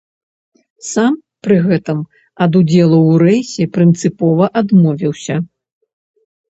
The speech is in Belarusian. Сам пры гэтым ад удзелу ў рэйсе прынцыпова адмовіўся.